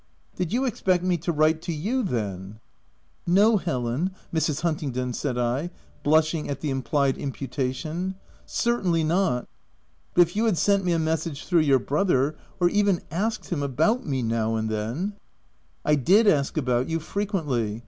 " Did you expect me to write to you then ?" "No, Helen — Mrs. Huntingdon/' said I, blushing at the implied imputation, " Certainly not ; but if you had sent me a message through your brother, or even asked him about me now and then —"* I did ask about you, frequently.